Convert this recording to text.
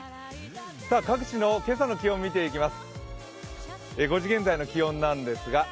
各地の今朝の気温、見ていきます。